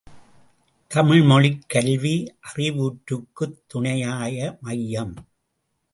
தாய் மொழிக் கல்வி அறிவூற்றுக்குத் துணையாய மையம்!